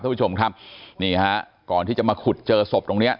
ผู้ชมครับนี่ฮะก่อนที่จะมาขุดเจอศพตรงเนี้ย